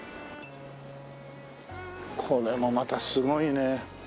これもまたすごいね。